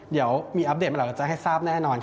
เดี๋ยวมีอัปเดตมาแล้วเราจะให้ทราบแน่นอน